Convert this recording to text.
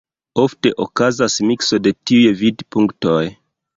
Ofte okazas mikso de tiuj vidpunktoj.